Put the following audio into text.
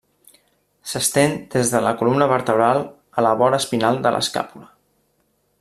S'estén des de la columna vertebral a la vora espinal de l'escàpula.